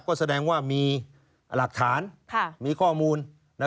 ก็แสดงว่ามีหลักฐานมีข้อมูล